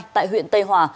tại huyện tây hòa